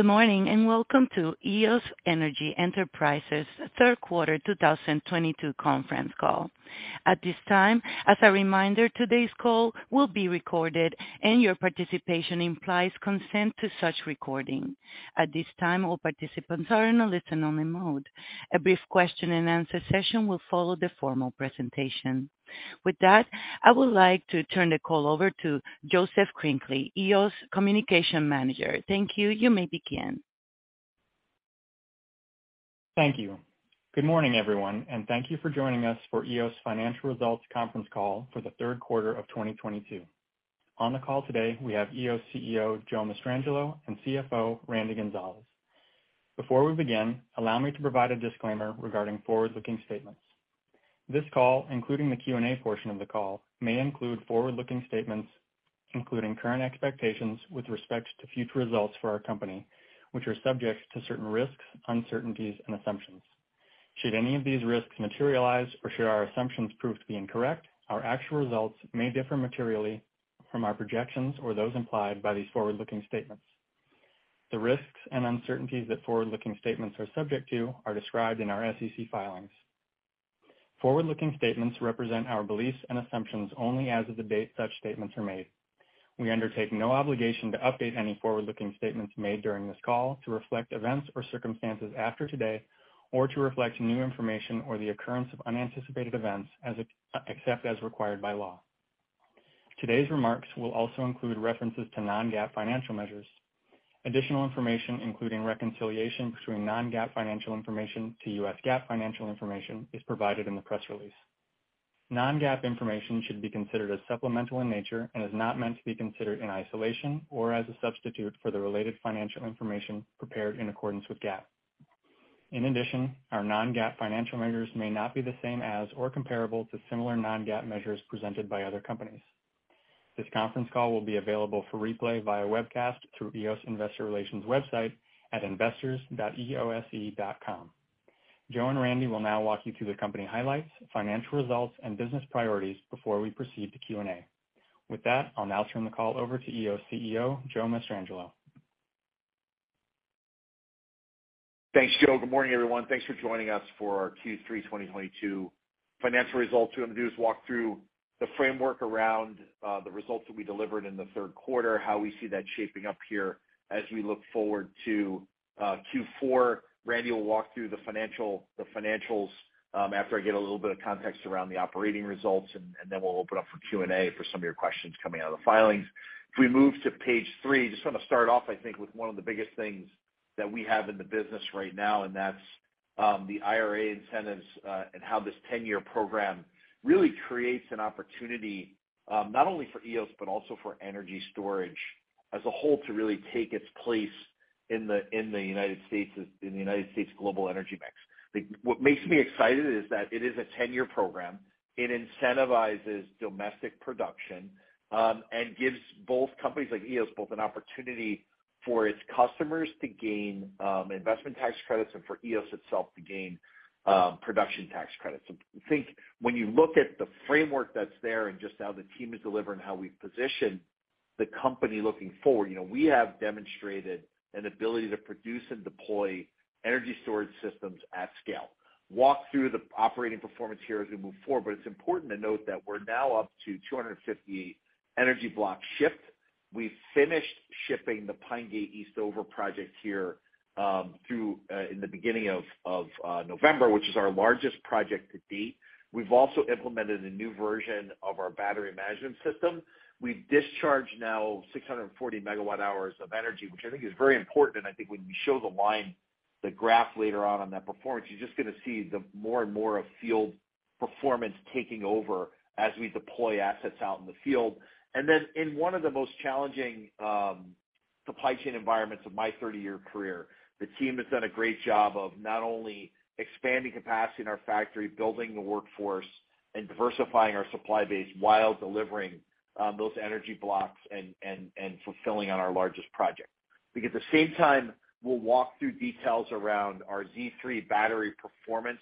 Good morning, and welcome to Eos Energy Enterprises third quarter 2022 conference call. At this time, as a reminder, today's call will be recorded and your participation implies consent to such recording. At this time, all participants are in a listen-only mode. A brief question and answer session will follow the formal presentation. With that, I would like to turn the call over to Joseph Crinkley, Eos Communications Manager. Thank you. You may begin. Thank you. Good morning, everyone, and thank you for joining us for Eos Financial Results conference call for the third quarter of 2022. On the call today, we have Eos CEO, Joe Mastrangelo, and CFO, Randy Gonzales. Before we begin, allow me to provide a disclaimer regarding forward-looking statements. This call, including the Q&A portion of the call, may include forward-looking statements, including current expectations with respect to future results for our company, which are subject to certain risks, uncertainties and assumptions. Should any of these risks materialize or should our assumptions prove to be incorrect, our actual results may differ materially from our projections or those implied by these forward-looking statements. The risks and uncertainties that forward-looking statements are subject to are described in our SEC filings. Forward-looking statements represent our beliefs and assumptions only as of the date such statements are made. We undertake no obligation to update any forward-looking statements made during this call to reflect events or circumstances after today or to reflect new information or the occurrence of unanticipated events except as required by law. Today's remarks will also include references to non-GAAP financial measures. Additional information, including reconciliation between non-GAAP financial information to U.S. GAAP financial information, is provided in the press release. Non-GAAP information should be considered as supplemental in nature and is not meant to be considered in isolation or as a substitute for the related financial information prepared in accordance with GAAP. In addition, our non-GAAP financial measures may not be the same as or comparable to similar non-GAAP measures presented by other companies. This conference call will be available for replay via webcast through Eos investor relations website at investors.eose.com. Joe and Randy will now walk you through the company highlights, financial results, and business priorities before we proceed to Q&A. With that, I'll now turn the call over to Eos CEO, Joe Mastrangelo. Thanks, Joe. Good morning, everyone. Thanks for joining us for our Q3 2022 financial results. What I'm going to do is walk through the framework around the results that we delivered in the third quarter, how we see that shaping up here as we look forward to Q4. Randy will walk through the financials after I get a little bit of context around the operating results, and then we'll open up for Q&A for some of your questions coming out of the filings. If we move to page three, just want to start off, I think, with one of the biggest things that we have in the business right now, and that's the IRA incentives, and how this ten-year program really creates an opportunity, not only for Eos, but also for energy storage as a whole, to really take its place in the United States' global energy mix. What makes me excited is that it is a ten-year program. It incentivizes domestic production, and gives companies like Eos an opportunity for its customers to gain investment tax credits and for Eos itself to gain production tax credits. I think when you look at the framework that's there and just how the team has delivered and how we've positioned the company looking forward, you know, we have demonstrated an ability to produce and deploy energy storage systems at scale. Walk through the operating performance here as we move forward, but it's important to note that we're now up to 258 Energy Blocks shipped. We finished shipping the Pine Gate Eastover project here through in the beginning of November, which is our largest project to date. We've also implemented a new version of our battery management system. We've discharged now 640 MWh of energy, which I think is very important. I think when we show the line graph later on that performance, you're just gonna see more and more field performance taking over as we deploy assets out in the field. In one of the most challenging supply chain environments of my 30-year career, the team has done a great job of not only expanding capacity in our factory, building the workforce, and diversifying our supply base while delivering those Energy Blocks and fulfilling on our largest project. Because at the same time, we'll walk through details around our Z3 battery performance,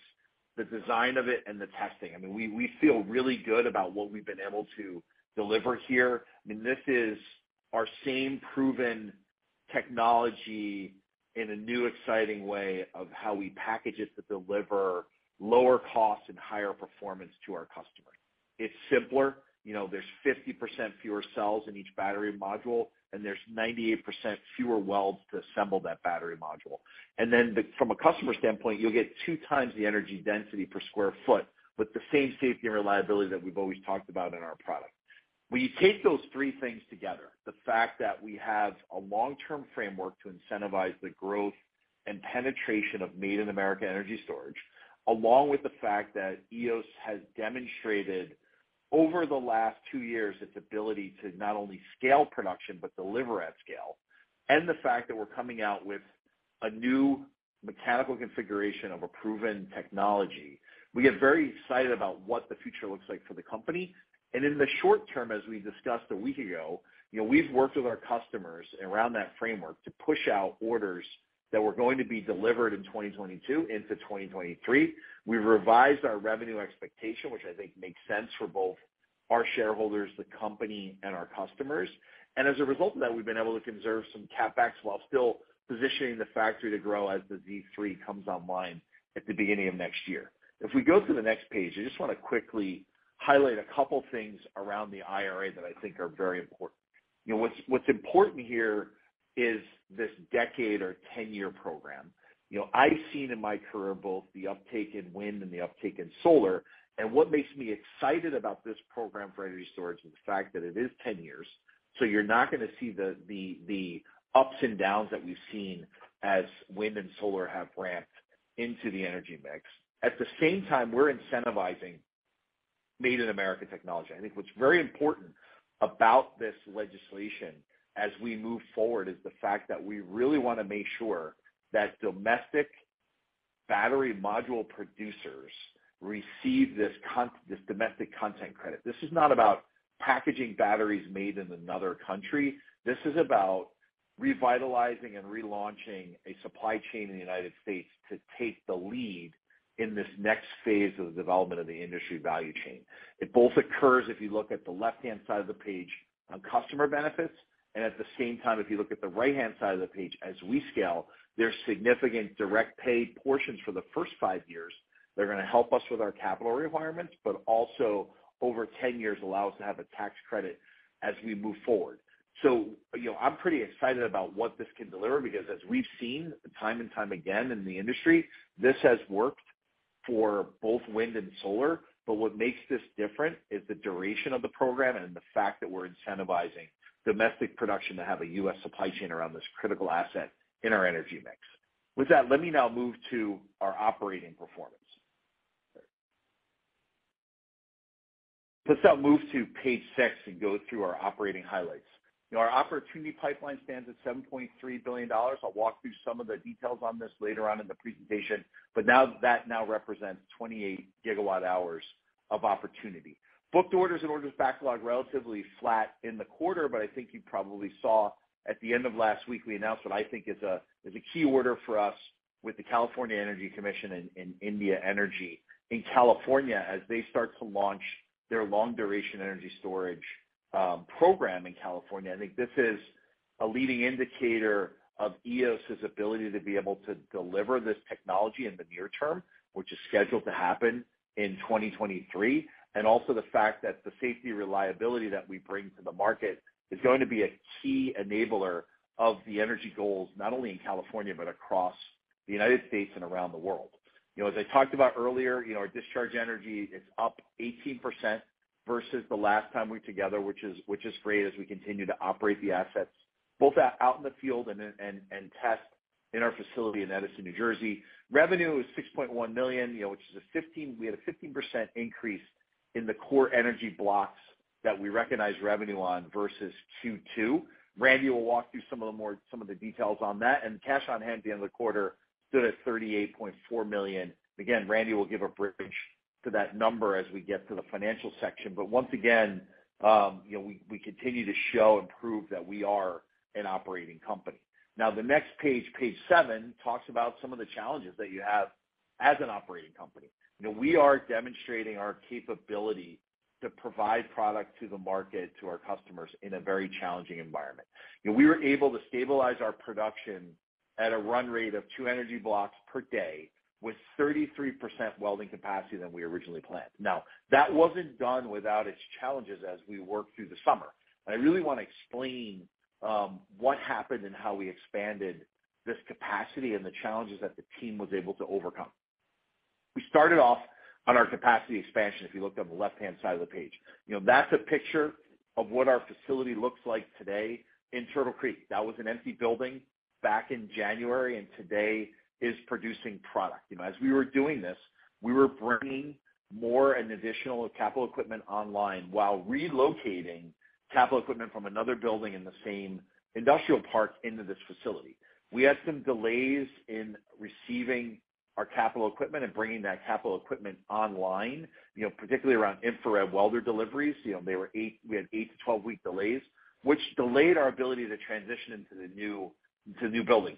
the design of it, and the testing. I mean, we feel really good about what we've been able to deliver here. I mean, this is our same proven technology in a new, exciting way of how we package it to deliver lower cost and higher performance to our customers. It's simpler. You know, there's 50% fewer cells in each battery module, and there's 98% fewer welds to assemble that battery module. From a customer standpoint, you'll get 2x the energy density per sq ft with the same safety and reliability that we've always talked about in our product. When you take those three things together, the fact that we have a long-term framework to incentivize the growth and penetration of Made in America energy storage, along with the fact that Eos has demonstrated over the last two years its ability to not only scale production but deliver at scale, and the fact that we're coming out with a new mechanical configuration of a proven technology, we get very excited about what the future looks like for the company. In the short term, as we discussed a week ago, you know, we've worked with our customers around that framework to push out orders that were going to be delivered in 2022 into 2023. We've revised our revenue expectation, which I think makes sense for both our shareholders, the company, and our customers. As a result of that, we've been able to conserve some CapEx while still positioning the factory to grow as the Z3 comes online at the beginning of next year. If we go to the next page, I just wanna quickly highlight a couple things around the IRA that I think are very important. You know, what's important here is this decade or ten-year program. You know, I've seen in my career both the uptake in wind and the uptake in solar, and what makes me excited about this program for energy storage is the fact that it is ten years. So you're not gonna see the ups and downs that we've seen as wind and solar have ramped into the energy mix. At the same time, we're incentivizing made in America technology. I think what's very important about this legislation as we move forward is the fact that we really wanna make sure that domestic battery module producers receive this domestic content credit. This is not about packaging batteries made in another country. This is about revitalizing and relaunching a supply chain in the United States to take the lead in this next phase of the development of the industry value chain. It both occurs, if you look at the left-hand side of the page, on customer benefits, and at the same time, if you look at the right-hand side of the page, as we scale, there's significant direct pay portions for the first five years that are gonna help us with our capital requirements, but also over 10 years allow us to have a tax credit as we move forward. You know, I'm pretty excited about what this can deliver because as we've seen time and time again in the industry, this has worked for both wind and solar. What makes this different is the duration of the program and the fact that we're incentivizing domestic production to have a U.S. supply chain around this critical asset in our energy mix. With that, let me now move to our operating performance. Let's now move to page six and go through our operating highlights. You know, our opportunity pipeline stands at $7.3 billion. I'll walk through some of the details on this later on in the presentation. Now that represents 28 GWh of opportunity. Booked orders and orders backlog relatively flat in the quarter, but I think you probably saw at the end of last week we announced what I think is a key order for us with the California Energy Commission and Indian Energy in California as they start to launch their long-duration energy storage program in California. I think this is a leading indicator of Eos's ability to be able to deliver this technology in the near term, which is scheduled to happen in 2023. Also the fact that the safety reliability that we bring to the market is going to be a key enabler of the energy goals, not only in California, but across the United States and around the world. You know, as I talked about earlier, you know, our discharge energy is up 18% versus the last time we were together, which is great as we continue to operate the assets both out in the field and test in our facility in Edison, New Jersey. Revenue is $6.1 million, you know, which is a 15% increase in the core Energy Blocks that we recognized revenue on versus Q2. Randy will walk through some of the details on that. Cash on hand at the end of the quarter stood at $38.4 million. Again, Randy will give a bridge to that number as we get to the financial section. Once again, you know, we continue to show and prove that we are an operating company. Now, the next page 7, talks about some of the challenges that you have as an operating company. You know, we are demonstrating our capability to provide product to the market, to our customers in a very challenging environment. You know, we were able to stabilize our production at a run rate of 2 Energy Blocks per day with 33% welding capacity than we originally planned. Now, that wasn't done without its challenges as we worked through the summer. I really wanna explain what happened and how we expanded this capacity and the challenges that the team was able to overcome. We started off on our capacity expansion, if you look on the left-hand side of the page. You know, that's a picture of what our facility looks like today in Turtle Creek. That was an empty building back in January, and today is producing product. You know, as we were doing this, we were bringing more and additional capital equipment online while relocating capital equipment from another building in the same industrial park into this facility. We had some delays in receiving our capital equipment and bringing that capital equipment online, you know, particularly around infrared welder deliveries. You know, we had 8- to 12-week delays, which delayed our ability to transition into the new building.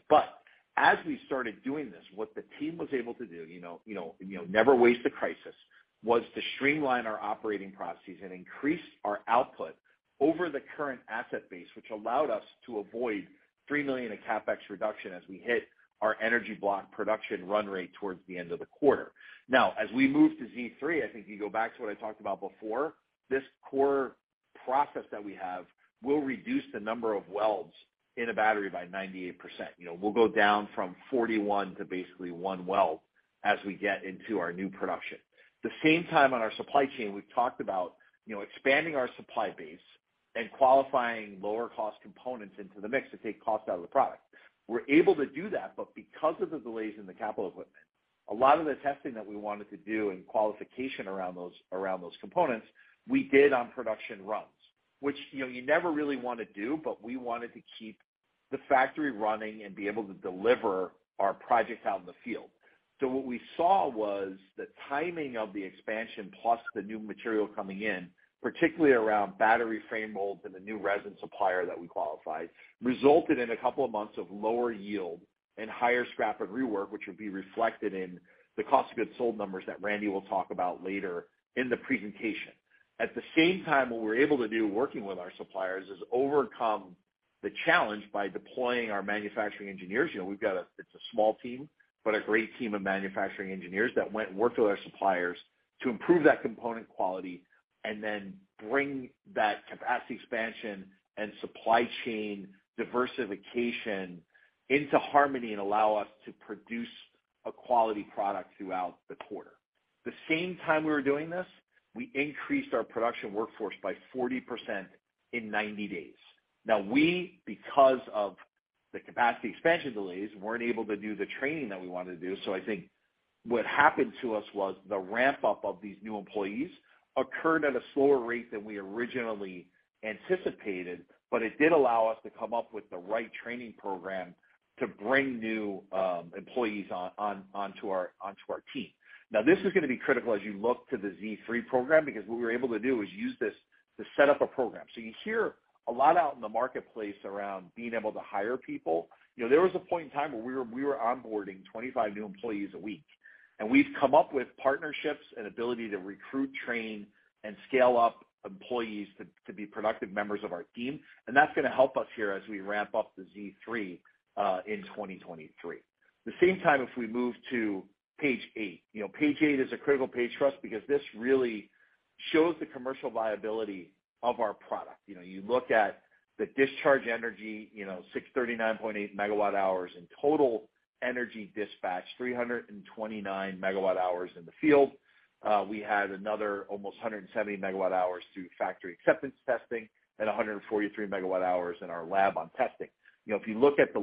As we started doing this, what the team was able to do, you know, you know, you know, never waste a crisis, was to streamline our operating processes and increase our output over the current asset base, which allowed us to avoid $3 million in CapEx reduction as we hit our Energy Block production run rate towards the end of the quarter. Now, as we move to Z3, I think if you go back to what I talked about before, this core process that we have will reduce the number of welds in a battery by 98%. You know, we'll go down from 41 to basically one weld as we get into our new production. At the same time, on our supply chain, we've talked about, you know, expanding our supply base and qualifying lower cost components into the mix to take cost out of the product. We're able to do that, but because of the delays in the capital equipment, a lot of the testing that we wanted to do and qualification around those components we did on production runs. Which, you know, you never really wanna do, but we wanted to keep the factory running and be able to deliver our projects out in the field. What we saw was the timing of the expansion plus the new material coming in, particularly around battery frame molds and the new resin supplier that we qualified, resulted in a couple of months of lower yield and higher scrap and rework, which would be reflected in the cost of goods sold numbers that Randy will talk about later in the presentation. At the same time, what we're able to do working with our suppliers is overcome the challenge by deploying our manufacturing engineers, it's a small team, but a great team of manufacturing engineers that went and worked with our suppliers to improve that component quality and then bring that capacity expansion and supply chain diversification into harmony and allow us to produce a quality product throughout the quarter. The same time we were doing this, we increased our production workforce by 40% in 90 days. Now we, because of the capacity expansion delays, weren't able to do the training that we wanted to do. I think what happened to us was the ramp-up of these new employees occurred at a slower rate than we originally anticipated, but it did allow us to come up with the right training program to bring new employees onto our team. Now, this is gonna be critical as you look to the Z3 program, because what we were able to do is use this to set up a program. You hear a lot out in the marketplace around being able to hire people. You know, there was a point in time where we were onboarding 25 new employees a week, and we've come up with partnerships and ability to recruit, train, and scale up employees to be productive members of our team. That's gonna help us here as we ramp up the Z3 in 2023. At the same time, if we move to page 8. You know, page 8 is a critical page for us because this really shows the commercial viability of our product. You know, you look at the discharge energy, you know, 639.8 MWh in total energy dispatch, 329 MWh in the field. We had another almost 170 MWh through factory acceptance testing and 143 MWh in our lab on testing. You know, if you look at the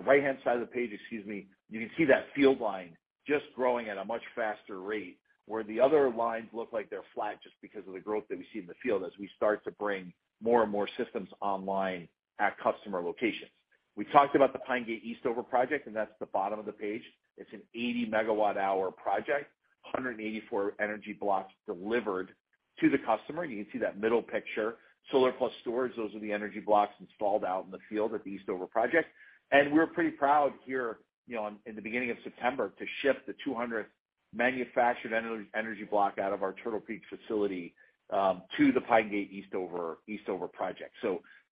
right-hand side of the page, excuse me, you can see that field line just growing at a much faster rate where the other lines look like they're flat just because of the growth that we see in the field as we start to bring more and more systems online at customer locations. We talked about the Pine Gate Eastover project, and that's the bottom of the page. It's an 80 MWh project, 184 Energy Blocks delivered to the customer. You can see that middle picture, solar plus storage. Those are the Energy Blocks installed out in the field at the Eastover project. We're pretty proud here, you know, in the beginning of September to ship the 200th manufactured Energy Block out of our Turtle Creek facility to the Pine Gate Eastover project.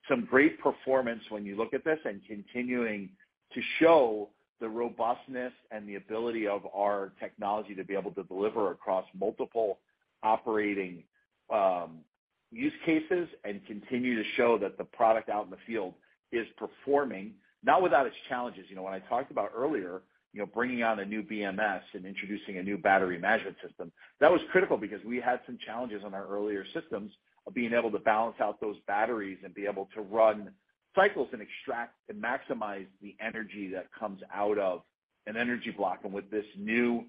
Some great performance when you look at this and continuing to show the robustness and the ability of our technology to be able to deliver across multiple operating use cases and continue to show that the product out in the field is performing, not without its challenges. You know, when I talked about earlier, you know, bringing out a new BMS and introducing a new battery management system, that was critical because we had some challenges on our earlier systems of being able to balance out those batteries and be able to run cycles and extract and maximize the energy that comes out of an Energy Block. With this new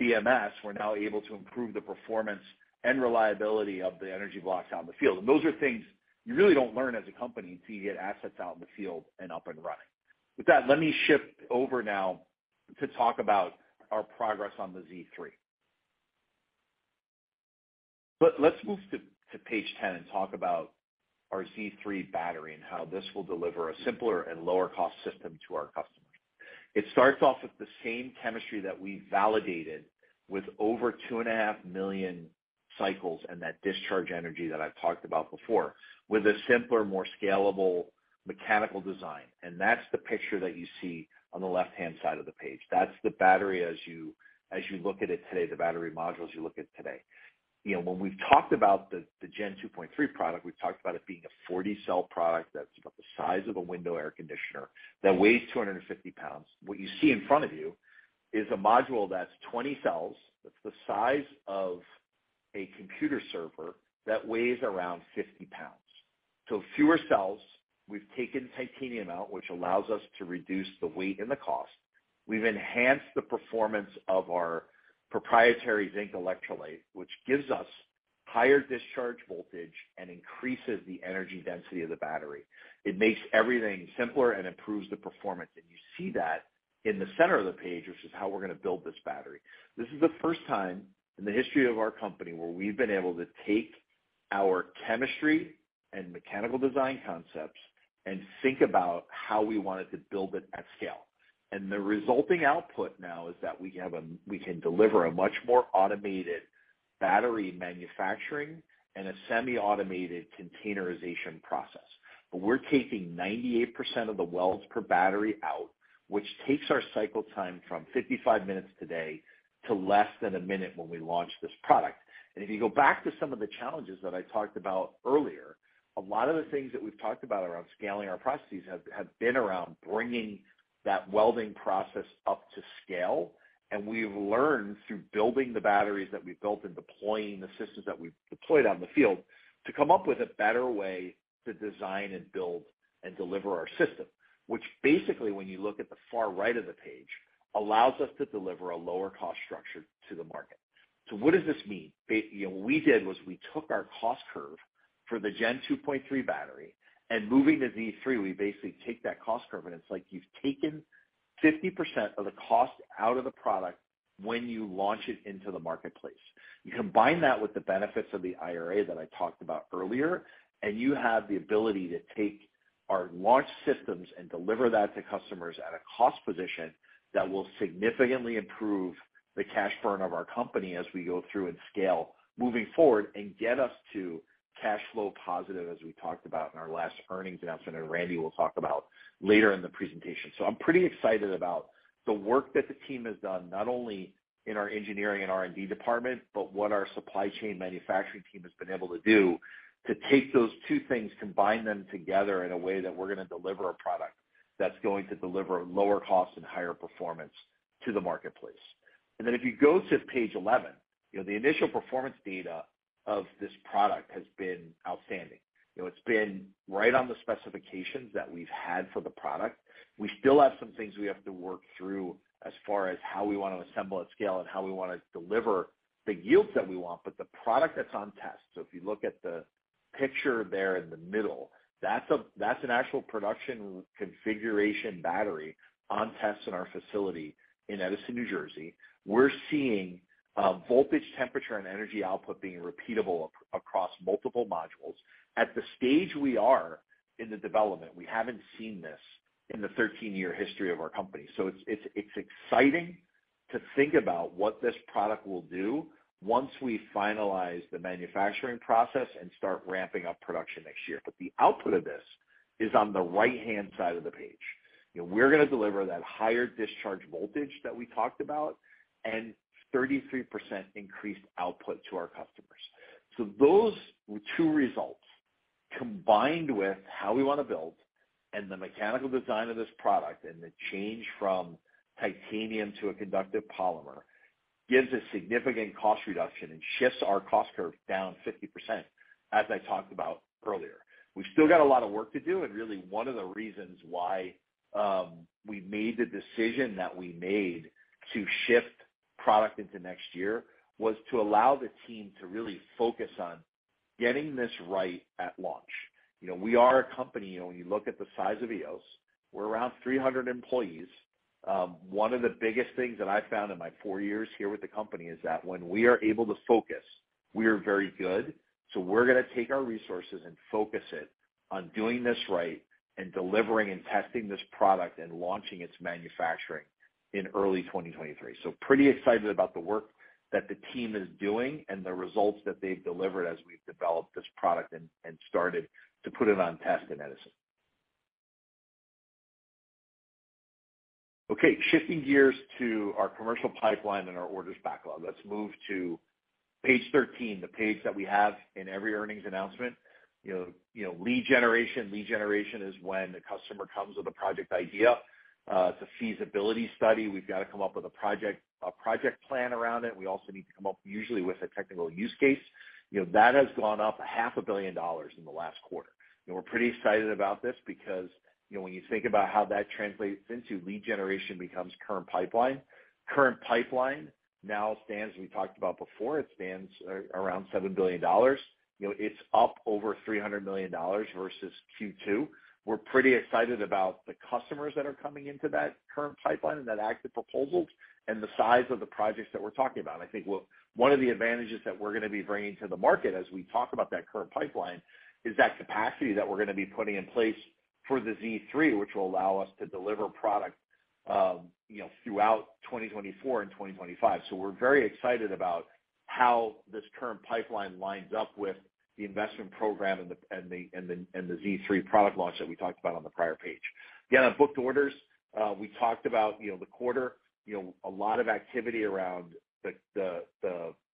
BMS, we're now able to improve the performance and reliability of the Energy Blocks out in the field. Those are things you really don't learn as a company until you get assets out in the field and up and running. With that, let me shift over now to talk about our progress on the Z3. Let's move to page 10 and talk about our Z3 battery and how this will deliver a simpler and lower cost system to our customers. It starts off with the same chemistry that we validated with over 2.5 million cycles, and that discharge energy that I've talked about before, with a simpler, more scalable mechanical design. That's the picture that you see on the left-hand side of the page. That's the battery as you look at it today, the battery modules you look at today. You know, when we've talked about the Gen 2.3 product, we've talked about it being a 40-cell product that's about the size of a window air conditioner that weighs 250 pounds. What you see in front of you is a module that's 20 cells, that's the size of a computer server that weighs around 50 pounds. So fewer cells. We've taken titanium out, which allows us to reduce the weight and the cost. We've enhanced the performance of our proprietary zinc electrolyte, which gives us higher discharge voltage and increases the energy density of the battery. It makes everything simpler and improves the performance. You see that in the center of the page, which is how we're gonna build this battery. This is the first time in the history of our company where we've been able to take our chemistry and mechanical design concepts and think about how we wanted to build it at scale. The resulting output now is that we can deliver a much more automated battery manufacturing and a semi-automated containerization process. We're taking 98% of the welds per battery out, which takes our cycle time from 55 minutes today to less than a minute when we launch this product. If you go back to some of the challenges that I talked about earlier, a lot of the things that we've talked about around scaling our processes have been around bringing that welding process up to scale. We've learned through building the batteries that we've built and deploying the systems that we've deployed out in the field to come up with a better way to design and build and deliver our system, which basically, when you look at the far right of the page, allows us to deliver a lower cost structure to the market. What does this mean? You know, what we did was we took our cost curve for the Gen 2.3 battery and moving to Z3, we basically take that cost curve, and it's like you've taken 50% of the cost out of the product when you launch it into the marketplace. You combine that with the benefits of the IRA that I talked about earlier, and you have the ability to take our launch systems and deliver that to customers at a cost position that will significantly improve the cash burn of our company as we go through and scale moving forward and get us to cash flow positive, as we talked about in our last earnings announcement, and Randy will talk about later in the presentation. I'm pretty excited about the work that the team has done, not only in our engineering and R&D department, but what our supply chain manufacturing team has been able to do to take those two things, combine them together in a way that we're gonna deliver a product that's going to deliver lower cost and higher performance to the marketplace. If you go to page 11, you know, the initial performance data of this product has been outstanding. You know, it's been right on the specifications that we've had for the product. We still have some things we have to work through as far as how we wanna assemble at scale and how we wanna deliver the yields that we want, but the product that's on test. If you look at the picture there in the middle, that's an actual production configuration battery on test in our facility in Edison, New Jersey. We're seeing voltage, temperature, and energy output being repeatable across multiple modules. At the stage we are in the development, we haven't seen this in the 13-year history of our company. It's exciting to think about what this product will do once we finalize the manufacturing process and start ramping up production next year. The output of this is on the right-hand side of the page. You know, we're gonna deliver that higher discharge voltage that we talked about and 33% increased output to our customers. Those two results, combined with how we wanna build and the mechanical design of this product and the change from titanium to a conductive polymer, gives a significant cost reduction and shifts our cost curve down 50%, as I talked about earlier. We've still got a lot of work to do, and really one of the reasons why we made the decision that we made to shift product into next year was to allow the team to really focus on getting this right at launch. You know, we are a company, you know, when you look at the size of Eos, we're around 300 employees. One of the biggest things that I found in my four years here with the company is that when we are able to focus, we are very good. We're gonna take our resources and focus it on doing this right and delivering and testing this product and launching its manufacturing in early 2023. Pretty excited about the work that the team is doing and the results that they've delivered as we've developed this product and started to put it on test in Edison. Okay, shifting gears to our commercial pipeline and our orders backlog. Let's move to page 13, the page that we have in every earnings announcement. You know, lead generation. Lead generation is when the customer comes with a project idea, it's a feasibility study. We've got to come up with a project, a project plan around it. We also need to come up usually with a technical use case. You know, that has gone up half a billion dollars in the last quarter. We're pretty excited about this because, you know, when you think about how that translates into lead generation becomes current pipeline. Current pipeline now stands, we talked about before, it stands around $7 billion. You know, it's up over $300 million versus Q2. We're pretty excited about the customers that are coming into that current pipeline and that active proposals and the size of the projects that we're talking about. One of the advantages that we're gonna be bringing to the market as we talk about that current pipeline is that capacity that we're gonna be putting in place for the Z3, which will allow us to deliver product, you know, throughout 2024 and 2025. We're very excited about how this current pipeline lines up with the investment program and the Z3 product launch that we talked about on the prior page. Again, on booked orders, we talked about, you know, the quarter, you know, a lot of activity around the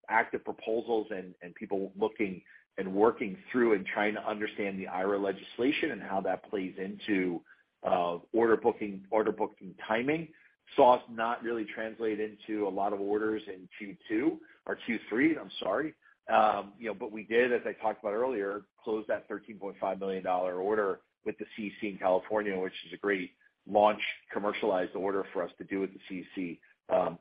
active proposals and people looking and working through and trying to understand the IRA legislation and how that plays into order booking timing. Saw it not really translate into a lot of orders in Q2 or Q3, I'm sorry. You know, we did, as I talked about earlier, close that $13.5 million order with the CEC in California, which is a great launch commercialized order for us to do with the CEC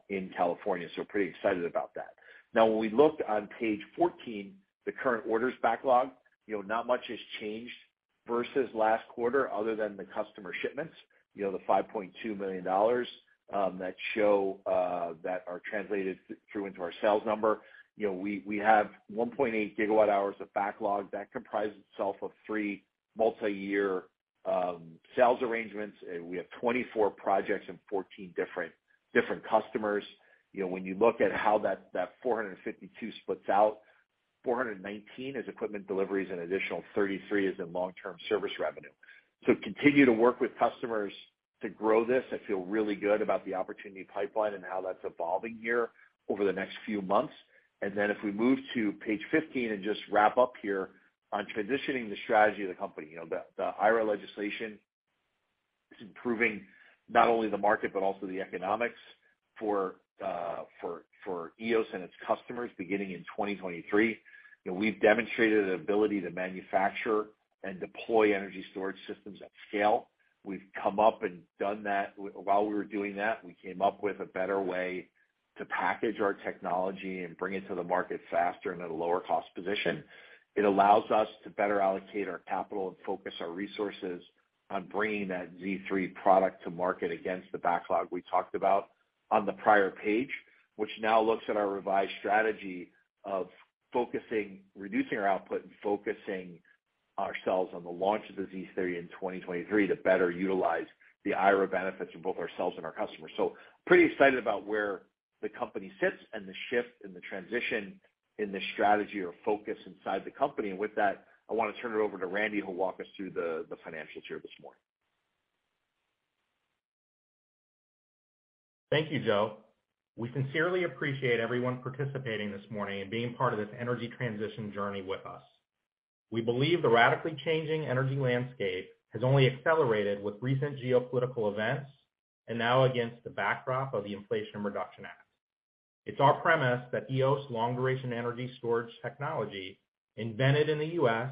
in California. Pretty excited about that. Now, when we look on page 14, the current orders backlog, you know, not much has changed versus last quarter other than the customer shipments, you know, the $50.2 million that are translated through into our sales number. You know, we have 1.8 GWh of backlog that comprises itself of three multi-year sales arrangements. We have 24 projects and 14 different customers. You know, when you look at how that 452 splits out, 419 is equipment deliveries, an additional 33 is in long-term service revenue. Continue to work with customers to grow this. I feel really good about the opportunity pipeline and how that's evolving here over the next few months. If we move to page 15 and just wrap up here on transitioning the strategy of the company. You know, the IRA legislation is improving not only the market, but also the economics for Eos and its customers beginning in 2023. You know, we've demonstrated an ability to manufacture and deploy energy storage systems at scale. We've come up and done that. While we were doing that, we came up with a better way to package our technology and bring it to the market faster in a lower cost position. It allows us to better allocate our capital and focus our resources on bringing that Z3 product to market against the backlog we talked about on the prior page, which now looks at our revised strategy of focusing on reducing our output and focusing ourselves on the launch of the Z3 in 2023 to better utilize the IRA benefits of both ourselves and our customers. Pretty excited about where the company sits and the shift in the transition in the strategy or focus inside the company. With that, I want to turn it over to Randy, who will walk us through the financials here this morning. Thank you, Joe. We sincerely appreciate everyone participating this morning and being part of this energy transition journey with us. We believe the radically changing energy landscape has only accelerated with recent geopolitical events and now against the backdrop of the Inflation Reduction Act. It's our premise that Eos long-duration energy storage technology invented in the U.S.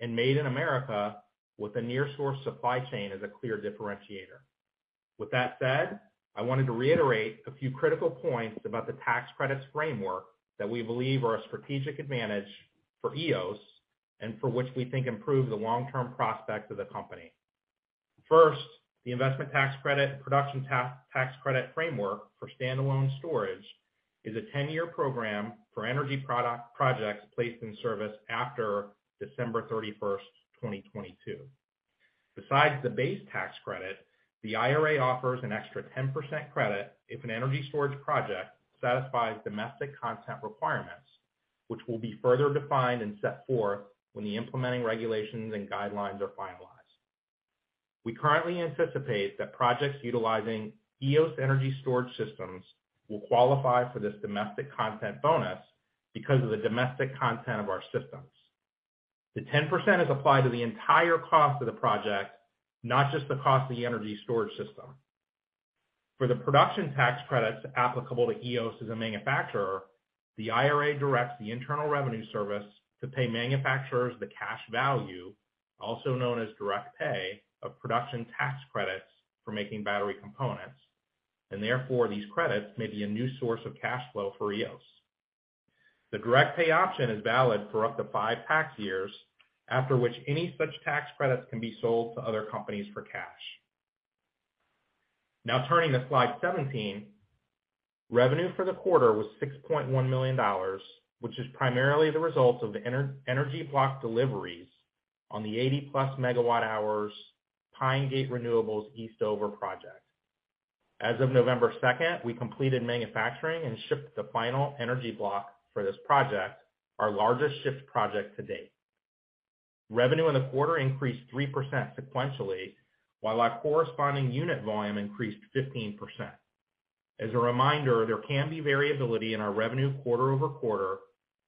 and made in America with a near source supply chain is a clear differentiator. With that said, I wanted to reiterate a few critical points about the tax credits framework that we believe are a strategic advantage for Eos and for which we think improve the long-term prospects of the company. First, the investment tax credit and production tax credit framework for standalone storage is a 10-year program for energy projects placed in service after December 31, 2022. Besides the base tax credit, the IRA offers an extra 10% credit if an energy storage project satisfies domestic content requirements, which will be further defined and set forth when the implementing regulations and guidelines are finalized. We currently anticipate that projects utilizing Eos energy storage systems will qualify for this domestic content bonus because of the domestic content of our systems. The 10% is applied to the entire cost of the project, not just the cost of the energy storage system. For the production tax credits applicable to Eos as a manufacturer, the IRA directs the Internal Revenue Service to pay manufacturers the cash value, also known as direct pay, of production tax credits for making battery components, and therefore these credits may be a new source of cash flow for Eos. The direct pay option is valid for up to 5 tax years, after which any such tax credits can be sold to other companies for cash. Now turning to slide 17. Revenue for the quarter was $6.1 million, which is primarily the result of the Energy Block deliveries on the 80+ MWh Pine Gate Eastover project. As of November 2, we completed manufacturing and shipped the final Energy Block for this project, our largest ship project to date. Revenue in the quarter increased 3% sequentially, while our corresponding unit volume increased 15%. As a reminder, there can be variability in our revenue quarter-over-quarter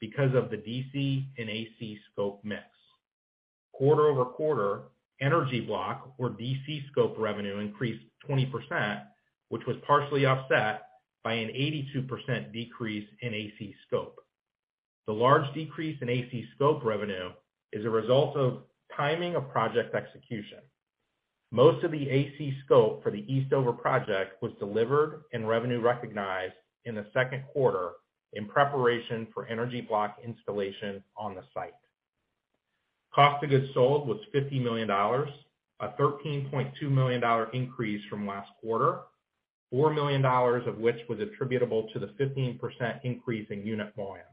because of the DC and AC scope mix. Quarter-over-quarter, Energy Block or DC scope revenue increased 20%, which was partially offset by an 82% decrease in AC scope. The large decrease in AC scope revenue is a result of timing of project execution. Most of the AC scope for the Eastover project was delivered and revenue recognized in the second quarter in preparation for Energy Block installation on the site. Cost of goods sold was $50 million, a $13.2 million increase from last quarter, $4 million of which was attributable to the 15% increase in unit volume.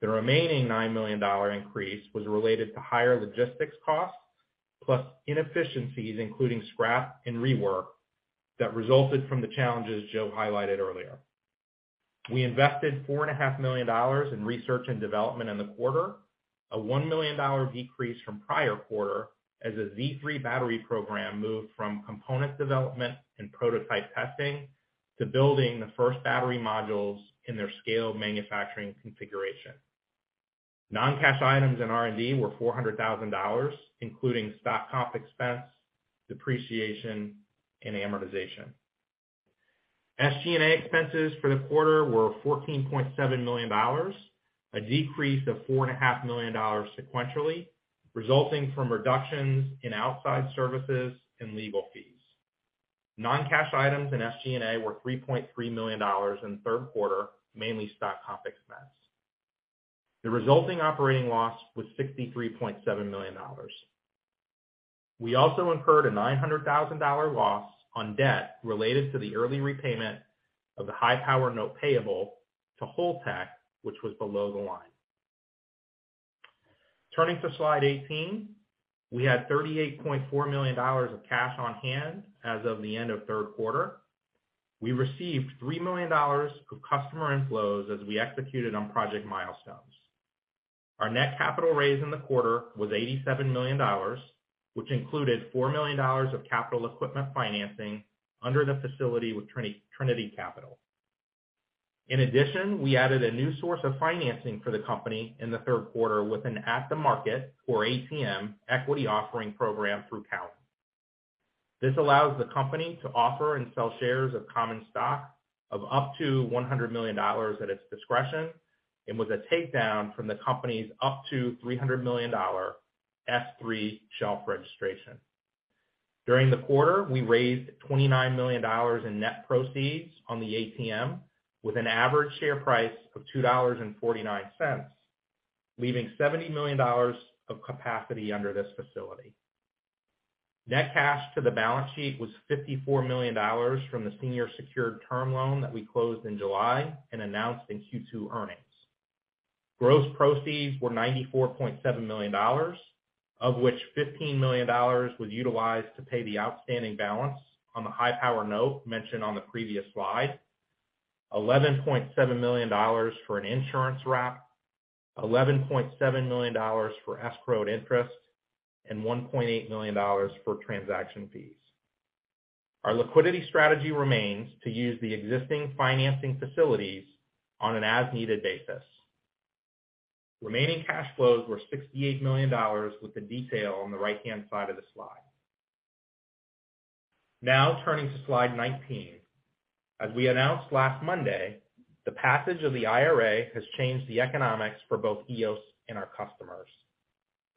The remaining $9 million increase was related to higher logistics costs, plus inefficiencies, including scrap and rework, that resulted from the challenges Joe highlighted earlier. We invested $4.5 million in research and development in the quarter, a $1 million decrease from prior quarter as the Z3 battery program moved from component development and prototype testing to building the first battery modules in their scaled manufacturing configuration. Non-cash items in R&D were $400 thousand, including stock comp expense, depreciation, and amortization. SG&A expenses for the quarter were $14.7 million, a decrease of $4.5 million sequentially, resulting from reductions in outside services and legal fees. Non-cash items in SG&A were $3.3 million in the third quarter, mainly stock comp expense. The resulting operating loss was $63.7 million. We also incurred a $900 thousand loss on debt related to the early repayment of the HI-POWER note payable to Holtec, which was below the line. Turning to slide 18. We had $38.4 million of cash on hand as of the end of third quarter. We received $3 million of customer inflows as we executed on project milestones. Our net capital raise in the quarter was $87 million, which included $4 million of capital equipment financing under the facility with Trinity Capital. In addition, we added a new source of financing for the company in the third quarter with an at-the-market, or ATM, equity offering program through Cowen. This allows the company to offer and sell shares of common stock of up to $100 million at its discretion and was a takedown from the company's up to $300 million S-3 shelf registration. During the quarter, we raised $29 million in net proceeds on the ATM with an average share price of $2.49, leaving $70 million of capacity under this facility. Net cash to the balance sheet was $54 million from the senior secured term loan that we closed in July and announced in Q2 earnings. Gross proceeds were $94.7 million, of which $15 million was utilized to pay the outstanding balance on the HI-POWER note mentioned on the previous slide. $11.7 million for an insurance wrap, $11.7 million for escrowed interest, and $1.8 million for transaction fees. Our liquidity strategy remains to use the existing financing facilities on an as-needed basis. Remaining cash flows were $68 million, with the detail on the right-hand side of the slide. Now turning to slide 19. As we announced last Monday, the passage of the IRA has changed the economics for both Eos and our customers.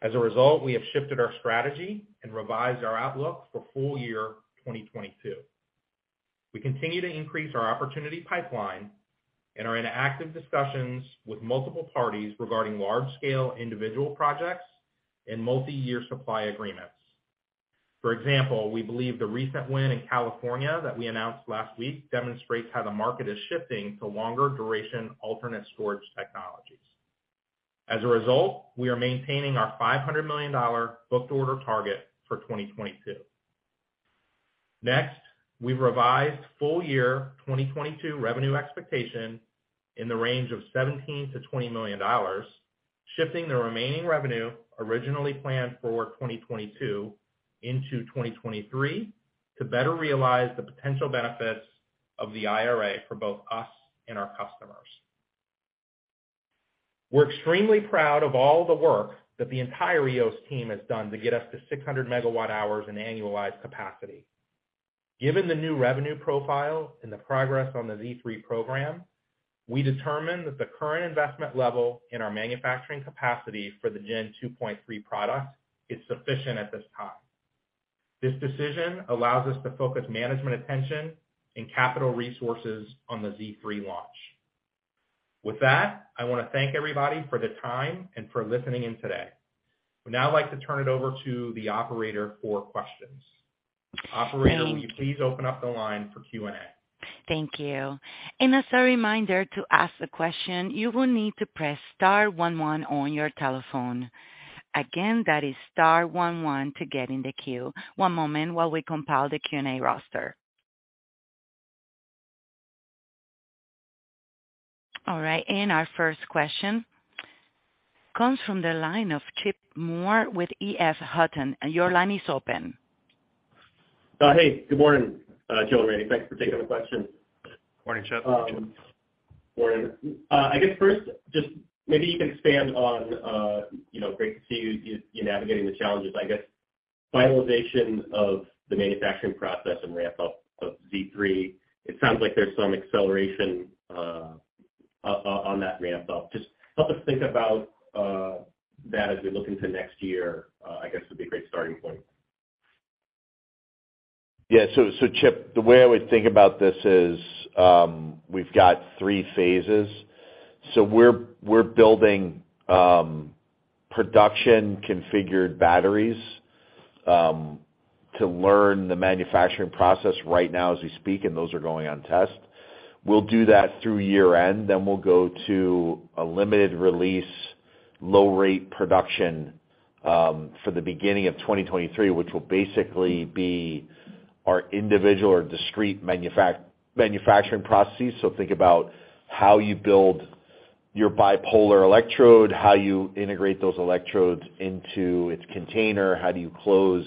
As a result, we have shifted our strategy and revised our outlook for full year 2022. We continue to increase our opportunity pipeline and are in active discussions with multiple parties regarding large-scale individual projects and multi-year supply agreements. For example, we believe the recent win in California that we announced last week demonstrates how the market is shifting to longer duration alternative storage technologies. As a result, we are maintaining our $500 million booked order target for 2022. Next, we've revised full-year 2022 revenue expectation in the range of $17 million-$20 million, shifting the remaining revenue originally planned for 2022 into 2023 to better realize the potential benefits of the IRA for both us and our customers. We're extremely proud of all the work that the entire Eos team has done to get us to 600 megawatt hours in annualized capacity. Given the new revenue profile and the progress on the Z3 program, we determine that the current investment level in our manufacturing capacity for the Gen 2.3 product is sufficient at this time. This decision allows us to focus management attention and capital resources on the Z3 launch. With that, I want to thank everybody for their time and for listening in today. I would now like to turn it over to the operator for questions. Operator, will you please open up the line for Q&A? Thank you. As a reminder, to ask a question, you will need to press star one one on your telephone. Again, that is star one one to get in the queue. One moment while we compile the Q&A roster. All right, our first question comes from the line of Chip Moore with EF Hutton. Your line is open. Hey, good morning, Joe and Randy. Thanks for taking the question. Morning, Chip. Morning. I guess first, just maybe you can expand on, you know, great to see you navigating the challenges. I guess finalization of the manufacturing process and ramp up of Z3, it sounds like there's some acceleration on that ramp up. Just help us think about that as we look into next year. I guess would be a great starting point. Yeah. Chip, the way I would think about this is, we've got three phases. We're building production configured batteries to learn the manufacturing process right now as we speak, and those are going on test. We'll do that through year-end, then we'll go to a limited release, low rate production for the beginning of 2023, which will basically be our individual or discrete manufacturing processes. Think about how you build your bipolar electrode, how you integrate those electrodes into its container, how do you close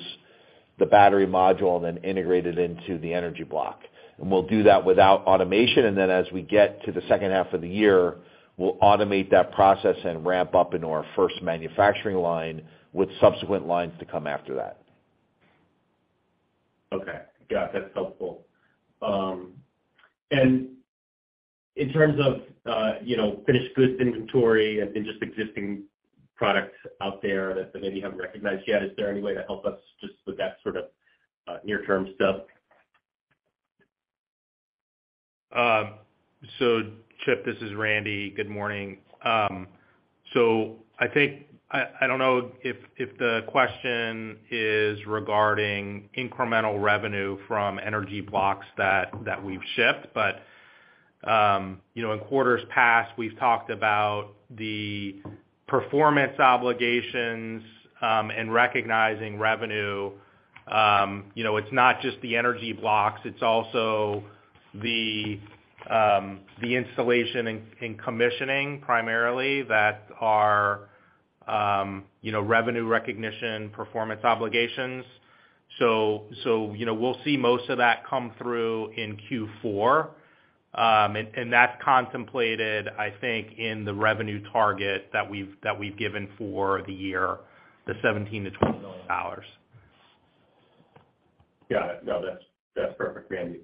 the battery module and then integrate it into the Energy Block. We'll do that without automation, and then as we get to the second half of the year, we'll automate that process and ramp up into our first manufacturing line with subsequent lines to come after that. Okay. Got it. That's helpful. In terms of, you know, finished goods inventory and just existing products out there that maybe you haven't recognized yet, is there any way to help us just with that sort of, near-term stuff? Chip, this is Randy. Good morning. I don't know if the question is regarding incremental revenue from Energy Blocks that we've shipped, but you know, in quarters past, we've talked about the performance obligations and recognizing revenue. You know, it's not just the Energy Blocks, it's also the installation and commissioning primarily that are, you know, revenue recognition performance obligations. You know, we'll see most of that come through in Q4. That's contemplated, I think, in the revenue target that we've given for the year, the $17 million-$20 million. Got it. No, that's perfect, Randy.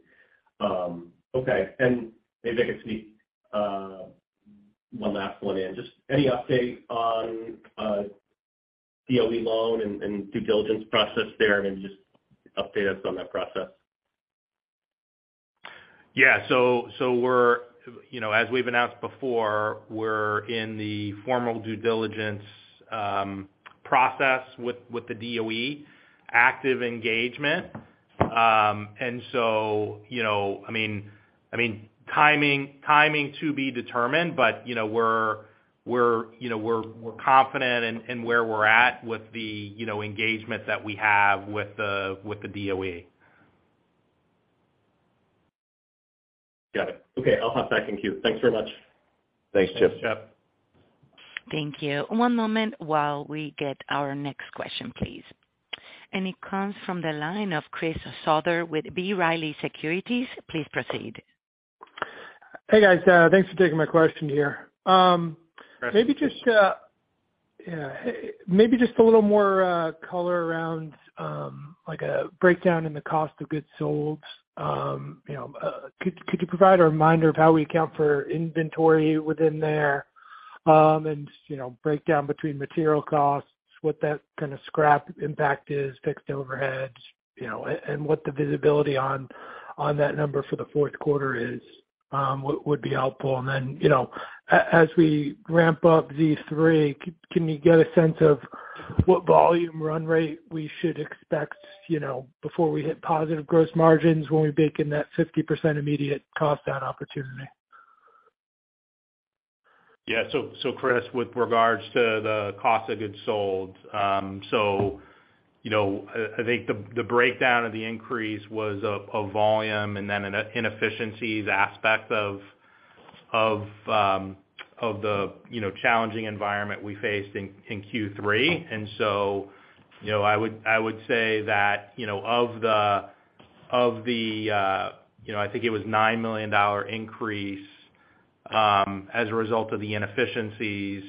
Okay. Maybe I can sneak one last one in. Just any update on DOE loan and due diligence process there, and maybe just update us on that process? Yeah. We're, you know, as we've announced before, we're in the formal due diligence process with the DOE active engagement. You know, I mean, timing to be determined, but, you know, we're confident in where we're at with the engagement that we have with the DOE. Got it. Okay. I'll hop back in queue. Thanks very much. Thanks, Chip. Thanks, Chip. Thank you. One moment while we get our next question, please. It comes from the line of Chris Souther with B. Riley Securities. Please proceed. Hey, guys. Thanks for taking my question here. Maybe just yeah, maybe just a little more color around like a breakdown in the cost of goods sold. You know, could you provide a reminder of how we account for inventory within there, and you know, breakdown between material costs, what that kind of scrap impact is, fixed overheads, you know, and what the visibility on that number for the fourth quarter is would be helpful. Then, you know, as we ramp up Z3, can you get a sense of what volume run rate we should expect, you know, before we hit positive gross margins when we bake in that 50% immediate cost down opportunity? Chris, with regards to the cost of goods sold, you know, I think the breakdown of the increase was of volume and then an inefficiencies aspect of the challenging environment we faced in Q3. You know, I would say that, you know, of the, you know, I think it was $9 million increase as a result of the inefficiencies,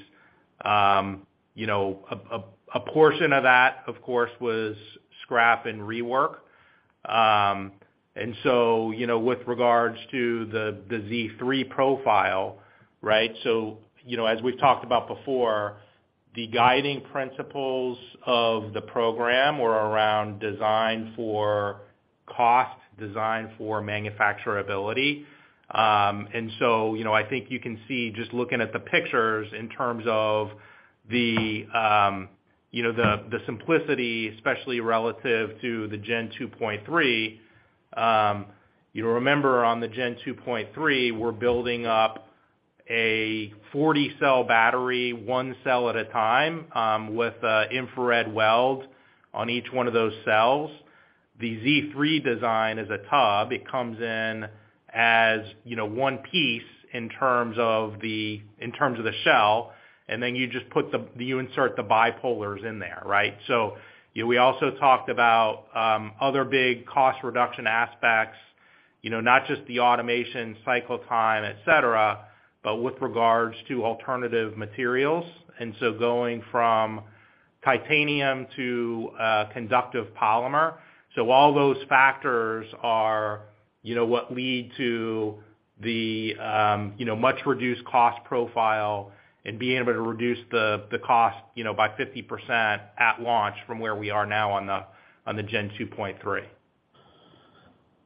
you know, a portion of that, of course, was scrap and rework. You know, with regards to the Z3 profile, right? You know, as we've talked about before, the guiding principles of the program were around design for cost, design for manufacturability. You know, I think you can see just looking at the pictures in terms of the simplicity, especially relative to the Gen 2.3. You'll remember on the Gen 2.3, we're building up a 40-cell battery, one cell at a time, with an infrared welder on each one of those cells. The Z3 design is a tub. It comes in as, you know, one piece in terms of the shell, and then you insert the bipolars in there, right? You know, we also talked about other big cost reduction aspects, you know, not just the automation cycle time, et cetera, but with regards to alternative materials, and so going from titanium to conductive polymer. All those factors are, you know, what lead to the, you know, much reduced cost profile and being able to reduce the cost, you know, by 50% at launch from where we are now on the Gen 2.3.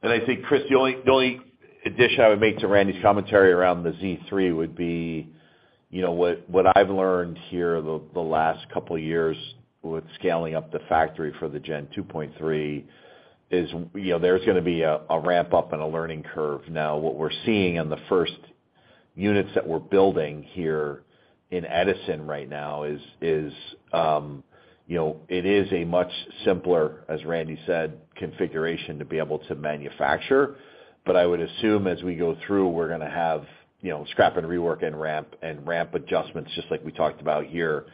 I think, Chris, the only addition I would make to Randy's commentary around the Z3 would be, you know, what I've learned here the last couple years with scaling up the factory for the Gen 2.3 is, you know, there's gonna be a ramp up and a learning curve. Now, what we're seeing in the first units that we're building here in Edison right now is, you know, it is a much simpler, as Randy said, configuration to be able to manufacture. I would assume as we go through, we're gonna have, you know, scrap and rework and ramp, and ramp adjustments, just like we talked about here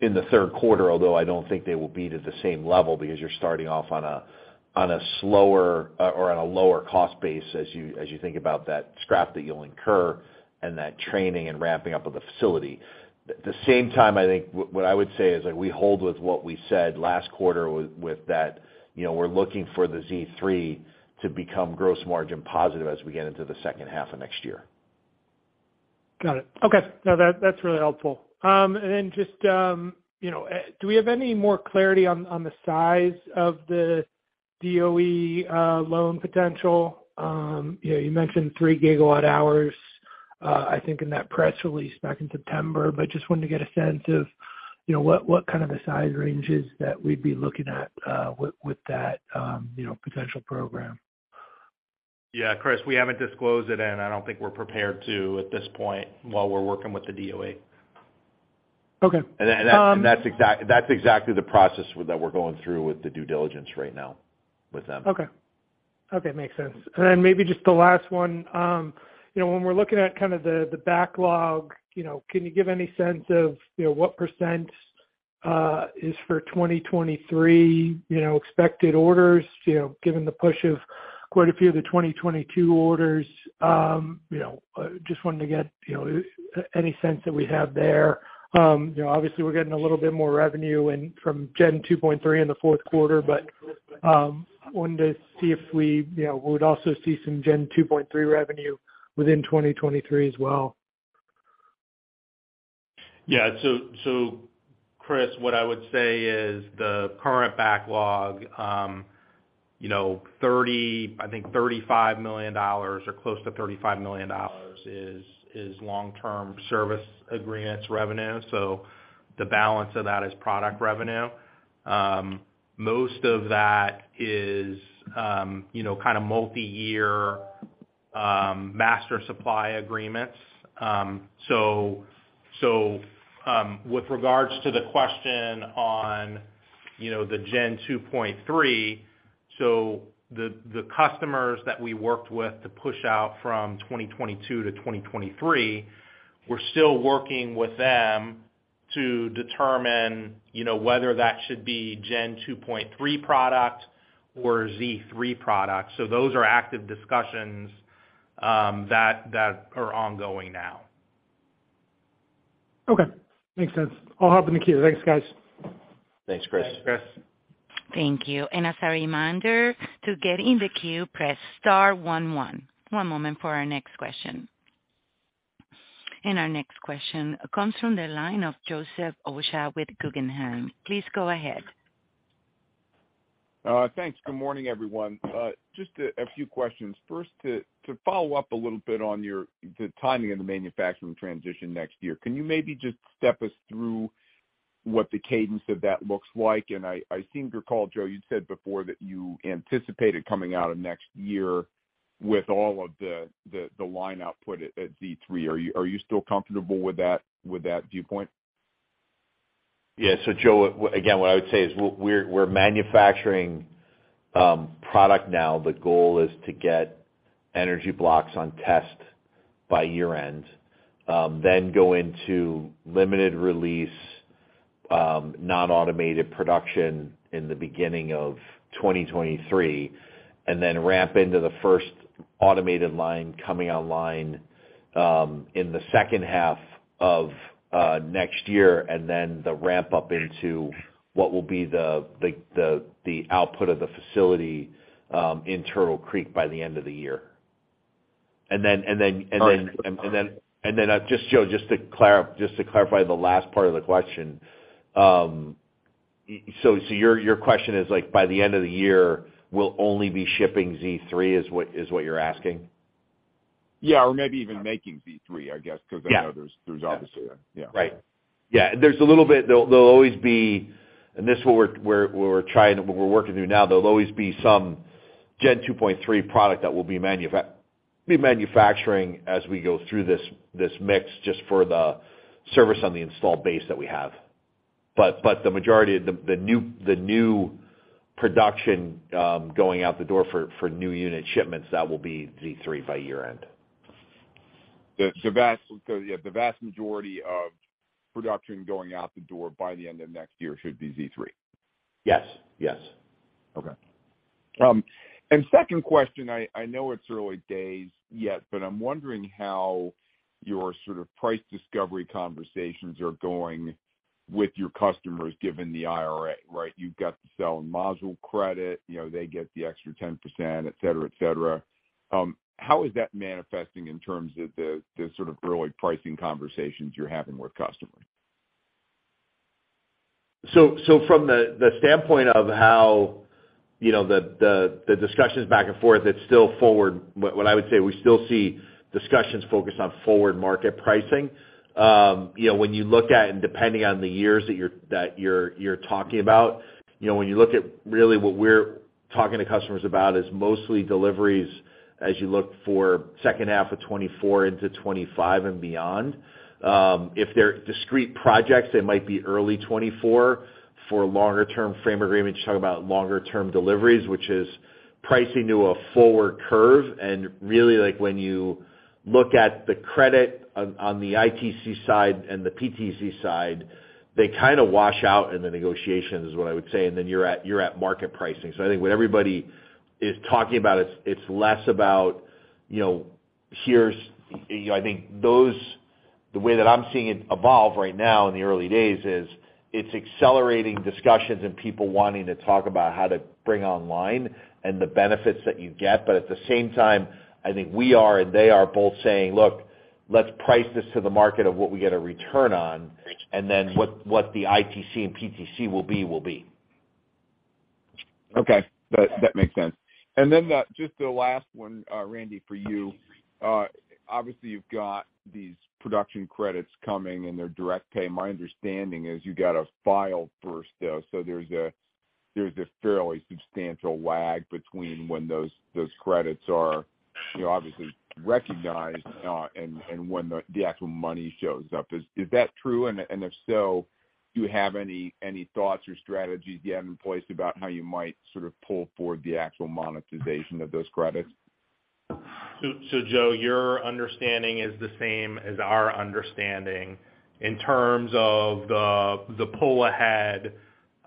in the third quarter, although I don't think they will be at the same level because you're starting off on a, on a slower or on a lower cost base as you, as you think about that scrap that you'll incur and that training and ramping up of the facility. At the same time, I think what I would say is that we hold with what we said last quarter with that, you know, we're looking for the Z3 to become gross margin positive as we get into the second half of next year. Got it. Okay. No, that's really helpful. Just, you know, do we have any more clarity on the size of the DOE loan potential? You know, you mentioned 3 GWh, I think in that press release back in September, but just wanted to get a sense of, you know, what kind of a size range is that we'd be looking at with that, you know, potential program. Yeah, Chris, we haven't disclosed it and I don't think we're prepared to at this point while we're working with the DOE. Okay. That's exactly the process that we're going through with the due diligence right now with them. Okay. Makes sense. Maybe just the last one. When we're looking at kind of the backlog, you know, can you give any sense of, you know, what percent is for 2023, you know, expected orders, you know, given the push of quite a few of the 2022 orders? Just wanted to get, you know, any sense that we have there. You know, obviously we're getting a little bit more revenue in from Gen 2.3 in the fourth quarter, but wanted to see if we, you know, would also see some Gen 2.3 revenue within 2023 as well. Yeah. Chris, what I would say is the current backlog, you know, 30, I think $35 million or close to $35 million is long-term service agreements revenue. The balance of that is product revenue. Most of that is, you know, kind of multiyear master supply agreements. With regards to the question on, you know, the Gen 2.3. The customers that we worked with to push out from 2022 to 2023, we're still working with them to determine, you know, whether that should be Gen 2.3 product or Z3 product. Those are active discussions that are ongoing now. Okay. Makes sense. I'll hop in the queue. Thanks, guys. Thanks, Chris. Thanks, Chris. Thank you. As a reminder, to get in the queue, press star one one. One moment for our next question. Our next question comes from the line of Joseph Osha with Guggenheim. Please go ahead. Thanks. Good morning, everyone. Just a few questions. First, to follow up a little bit on the timing of the manufacturing transition next year. Can you maybe just step us through what the cadence of that looks like? I seem to recall, Joe, you'd said before that you anticipated coming out of next year with all of the line output at Z3. Are you still comfortable with that viewpoint? Yeah. Joe, what I would say is we're manufacturing product now. The goal is to get Energy Blocks on test by year end, then go into limited release, non-automated production in the beginning of 2023, and then ramp into the first automated line coming online in the second half of next year, and then the ramp-up into what will be the output of the facility in Turtle Creek by the end of the year. All right. Just Joe, to clarify the last part of the question. So your question is like by the end of the year, we'll only be shipping Z3, is what you're asking? Yeah. Maybe even making Z3, I guess. Yeah. I know there's obviously a. Yeah. Right. Yeah. There's a little bit. There'll always be some Gen 2.3 product that we'll be manufacturing as we go through this mix, just for the service on the installed base that we have. This is what we're working through now. There'll always be the majority of the new production going out the door for new unit shipments, that will be Z3 by year-end. The vast majority of production going out the door by the end of next year should be Z3. Yes. Yes. Okay. Second question. I know it's early days yet, but I'm wondering how your sort of price discovery conversations are going with your customers, given the IRA, right? You've got the selling module credit, you know, they get the extra 10%, et cetera, et cetera. How is that manifesting in terms of the sort of early pricing conversations you're having with customers? From the standpoint of how the discussions back and forth, it's still forward. What I would say, we still see discussions focused on forward market pricing. Depending on the years that you're talking about, when you look at really what we're talking to customers about is mostly deliveries as you look for second half of 2024 into 2025 and beyond. If they're discrete projects, they might be early 2024. For longer-term framework agreements, you're talking about longer-term deliveries, which is pricing to a forward curve. Really, like, when you look at the credit on the ITC side and the PTC side, they kinda wash out in the negotiation, is what I would say, and then you're at market pricing. I think what everybody is talking about, it's less about, you know, the way that I'm seeing it evolve right now in the early days is it's accelerating discussions and people wanting to talk about how to bring online and the benefits that you get. At the same time, I think we are and they are both saying, "Look, let's price this to the market of what we get a return on, and then what the ITC and PTC will be, will be. Okay. That makes sense. Then just the last one, Randy, for you. Obviously, you've got these production credits coming, and they're direct pay. My understanding is you gotta file first, though. There's a fairly substantial lag between when those credits are, you know, obviously recognized, and when the actual money shows up. Is that true? If so, do you have any thoughts or strategies you have in place about how you might sort of pull forward the actual monetization of those credits? Joe, your understanding is the same as our understanding in terms of the pull ahead,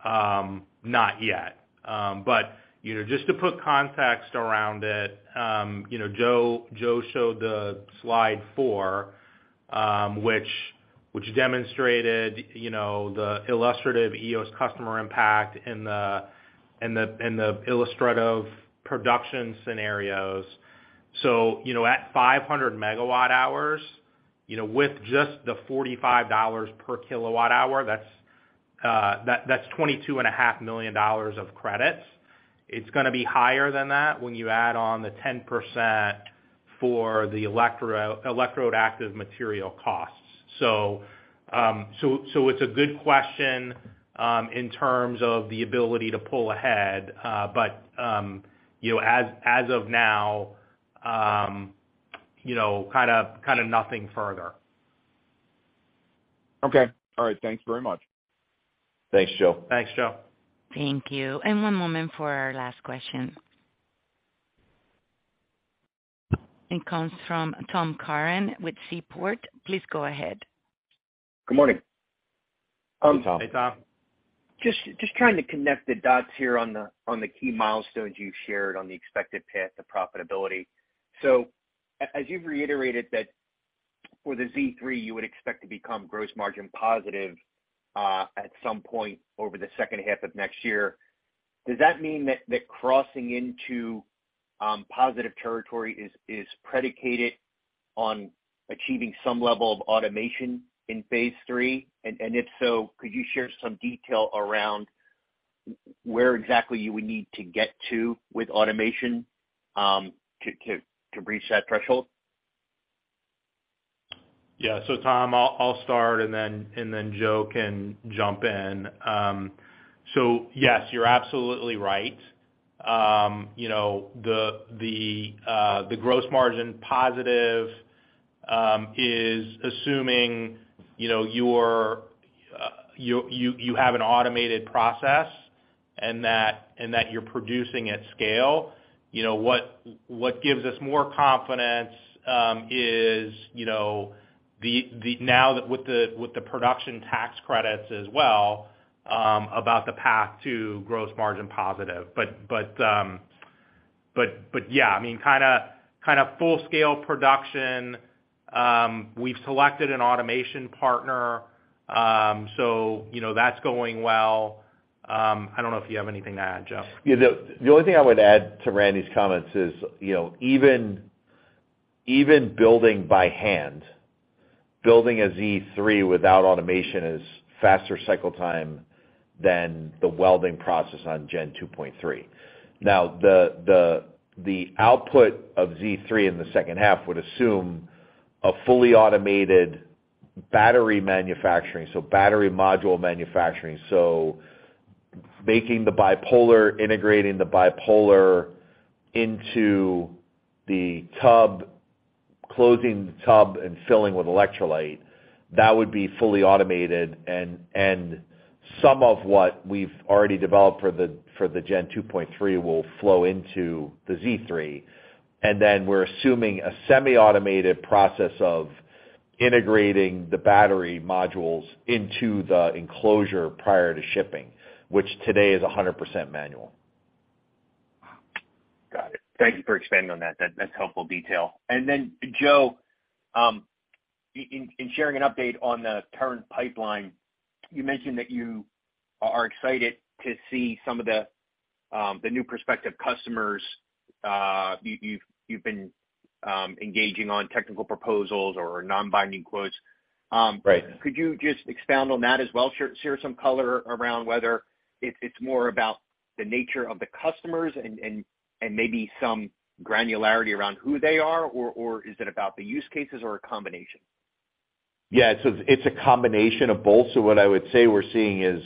not yet. But you know, just to put context around it, you know, Joe showed the slide 4, which demonstrated, you know, the illustrative Eos customer impact and the illustrative production scenarios. You know, at 500 MWh, you know, with just the $45 per kWh, that's $22.5 million of credits. It's gonna be higher than that when you add on the 10% for the electrode active material costs. It's a good question, in terms of the ability to pull ahead. But you know, as of now, you know, kinda nothing further. Okay. All right. Thanks very much. Thanks, Joe. Thanks, Joe. Thank you. One moment for our last question. Comes from Tom Curran with Seaport. Please go ahead. Good morning. Hey, Tom. Just trying to connect the dots here on the key milestones you've shared on the expected path to profitability. As you've reiterated that for the Z3, you would expect to become gross margin positive at some point over the second half of next year. Does that mean that crossing into positive territory is predicated on achieving some level of automation in phase three? If so, could you share some detail around where exactly you would need to get to with automation to reach that threshold? Yeah. Tom, I'll start and then Joe can jump in. Yes, you're absolutely right. You know, the gross margin positive is assuming, you know, you have an automated process and that you're producing at scale. You know what gives us more confidence is, you know, now with the production tax credits as well, about the path to gross margin positive. Yeah, I mean, kinda full-scale production. We've selected an automation partner. You know, that's going well. I don't know if you have anything to add, Joe. Yeah. The only thing I would add to Randy's comments is, you know, even building by hand, building a Z3 without automation is faster cycle time than the welding process on Gen 2.3. Now the output of Z3 in the second half would assume a fully automated battery manufacturing, so battery module manufacturing. Making the bipolar, integrating the bipolar into the tub, closing the tub and filling with electrolyte, that would be fully automated and some of what we've already developed for the Gen 2.3 will flow into the Z3. Then we're assuming a semi-automated process of integrating the battery modules into the enclosure prior to shipping, which today is 100% manual. Got it. Thank you for expanding on that. That's helpful detail. Then Joe, in sharing an update on the current pipeline, you mentioned that you are excited to see some of the new prospective customers. You've been engaging on technical proposals or non-binding quotes. Right. Could you just expound on that as well? Share some color around whether it's more about the nature of the customers and maybe some granularity around who they are or is it about the use cases or a combination? Yeah. It's a combination of both. What I would say we're seeing is,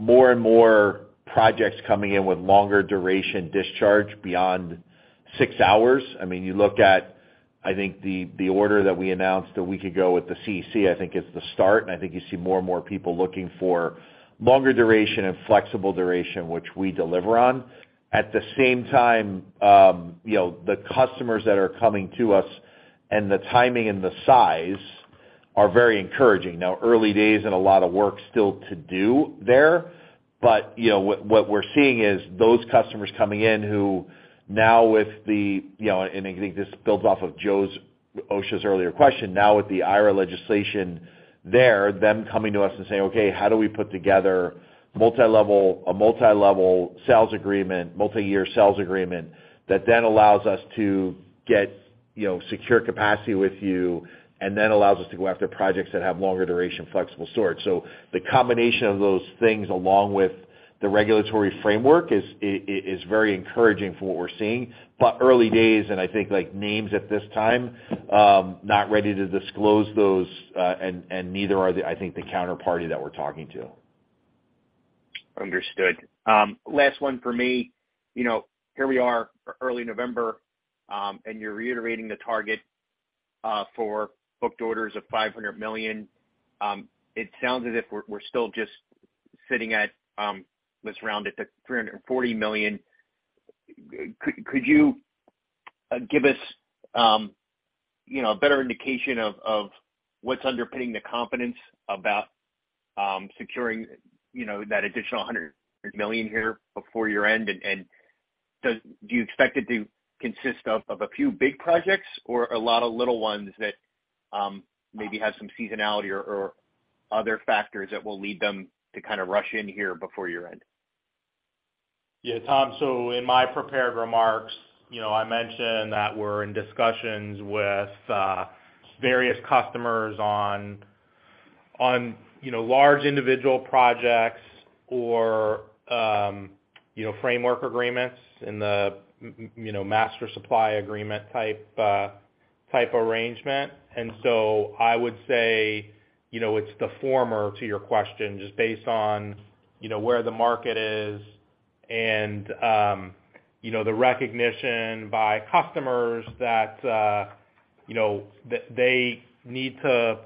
more and more projects coming in with longer duration discharge beyond six hours. I mean, you look at, I think the order that we announced a week ago with the CEC, I think is the start. I think you see more and more people looking for longer duration and flexible duration, which we deliver on. At the same time, you know, the customers that are coming to us and the timing and the size are very encouraging. Now, early days and a lot of work still to do there. You know, what we're seeing is those customers coming in who now with the, you know, and I think this builds off of Joseph Osha's earlier question, now with the IRA legislation there, them coming to us and saying, "Okay, how do we put together a multi-level sales agreement, multi-year sales agreement that then allows us to get, you know, secure capacity with you, and then allows us to go after projects that have longer duration flexible source?" The combination of those things along with the regulatory framework is very encouraging from what we're seeing. Early days, and I think like names at this time, not ready to disclose those, and neither are the, I think the counterparty that we're talking to. Understood. Last one for me. You know, here we are early November, and you're reiterating the target for booked orders of $500 million. It sounds as if we're still just sitting at, let's round it to $340 million. Could you give us, you know, a better indication of what's underpinning the confidence about securing, you know, that additional $100 million here before year-end? Do you expect it to consist of a few big projects or a lot of little ones that maybe have some seasonality or Other factors that will lead them to kind of rush in here before year-end. Yeah, Tom, in my prepared remarks, you know, I mentioned that we're in discussions with various customers on you know, large individual projects or you know, framework agreements in the you know, master supply agreement type arrangement. I would say, you know, it's the former to your question, just based on, you know, where the market is and, you know, the recognition by customers that, you know, they need to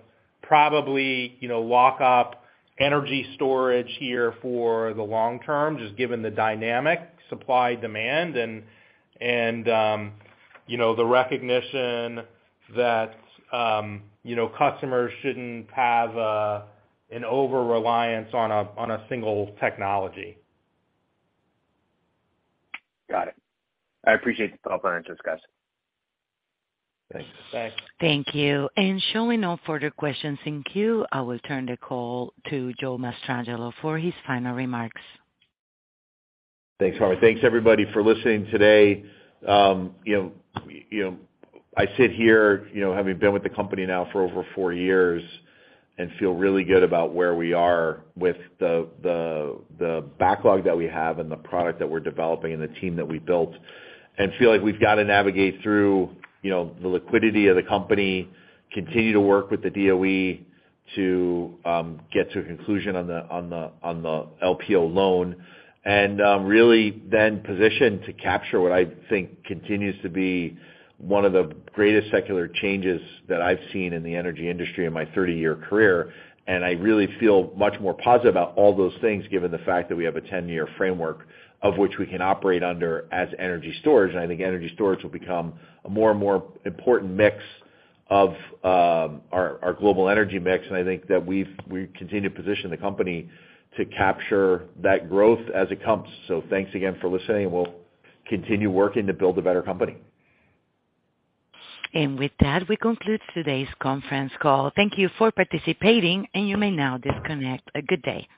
probably, you know, lock up energy storage here for the long term, just given the dynamic supply demand and, you know, the recognition that, you know, customers shouldn't have, an over-reliance on a single technology. Got it. I appreciate the color and discuss. Thanks. Thanks. Thank you. Showing no further questions in queue, I will turn the call to Joe Mastrangelo for his final remarks. Thanks, Maria. Thanks, everybody, for listening today. You know, I sit here, you know, having been with the company now for over four years and feel really good about where we are with the backlog that we have and the product that we're developing and the team that we built. Feel like we've got to navigate through, you know, the liquidity of the company, continue to work with the DOE to get to a conclusion on the LPO loan. Really then position to capture what I think continues to be one of the greatest secular changes that I've seen in the energy industry in my 30-year career. I really feel much more positive about all those things, given the fact that we have a 10-year framework of which we can operate under as energy storage. I think energy storage will become a more and more important mix of our global energy mix. I think that we continue to position the company to capture that growth as it comes. Thanks again for listening, and we'll continue working to build a better company. With that, we conclude today's conference call. Thank you for participating, and you may now disconnect. A good day.